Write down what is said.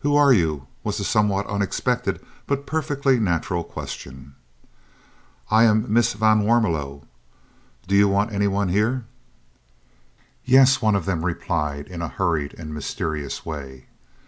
"Who are you?" was the somewhat unexpected but perfectly natural question. "I am Miss van Warmelo. Do you want any one here?" "Yes," one of them replied in a hurried and mysterious way.